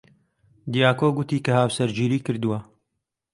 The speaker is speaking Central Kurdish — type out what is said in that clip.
دیاکۆ گوتی کە هاوسەرگیری کردووە.